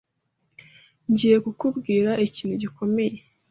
Ngiye kukubwira ikintu gikomeye.